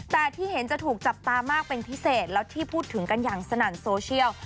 แต่ที่เห็นจะถูกจับตามากเป็นพิเศษแล้วที่พูดถึงกันอย่างสนั่นโซเชียล